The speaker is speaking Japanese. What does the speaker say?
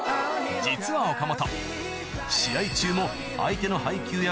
実は岡本